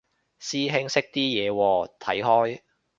師兄識啲嘢喎，睇開？